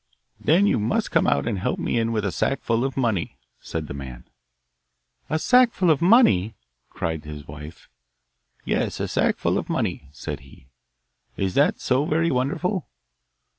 'Then you must come out and help me in with a sackful of money,' said the man. 'A sackful of money?' cried his wife. 'Yes, a sackful of money,' said he. 'Is that so very wonderful?